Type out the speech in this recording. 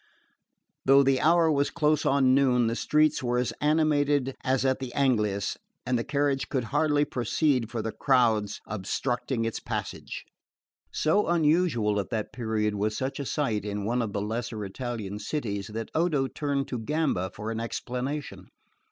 Though the hour was close on noon the streets were as animated as at the angelus, and the carriage could hardly proceed for the crowd obstructing its passage. So unusual at that period was such a sight in one of the lesser Italian cities that Odo turned to Gamba for an explanation.